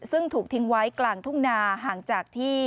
ซึ่งถูกทิ้งไว้กลางทุ่งนาห่างจากที่